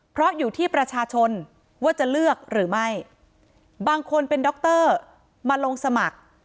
เพราะอยู่ที่ประชาชนว่าจะเลือกหรือไม่บางคนเป็นดรมาลงสมัคร